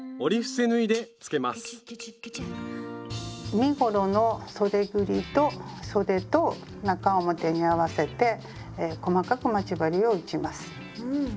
身ごろのそでぐりとそでと中表に合わせて細かく待ち針を打ちます。